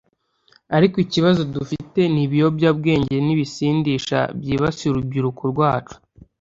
ariko ikibazo dufite ni ibiyobyabwenge n’ibisindisha byibasiye urubyiruko rwacu